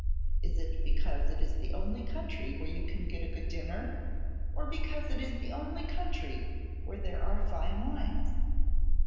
Is it because it is the only country where you can get a good dinner, or because it is the only country where there are fine wines?